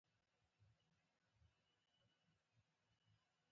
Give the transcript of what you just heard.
د فلزي خط کشونو دقت له نیم څخه تر یو ملي متره پورې دی.